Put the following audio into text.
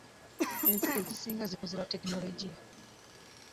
ensi ezisinga zikuze lwa tekinologiya.